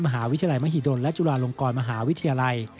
มหาวิทยาลัยมหิดลและจุฬาลงกรมหาวิทยาลัย